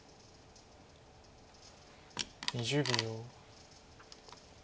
２０秒。